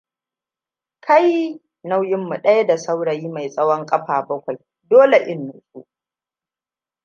Kai! Nauyinmu daya da saurayi mai tsawon kafa bakwai. Dole in nutsu!